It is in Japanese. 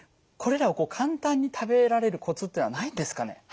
これらを簡単に食べられるコツっていうのはないんですかね。